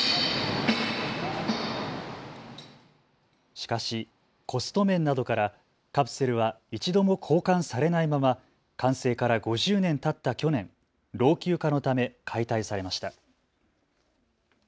しかしコスト面などからカプセルは一度も交換されないまま完成から５０年たった去年、老朽化のため解体されました。